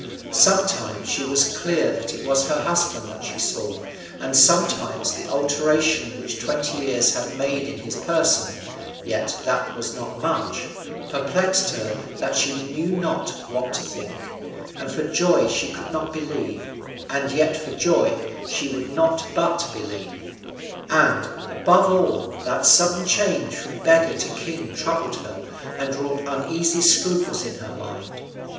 Sometimes she was clear that it was her husband that she saw, and sometimes the alteration which twenty years had made in his person (yet that was not much) perplexed her that she knew not what to think, and for joy she could not believe, and yet for joy she would not but believe; and, above all, that sudden change from a beggar to a king troubled her, and wrought uneasy scruples in her mind.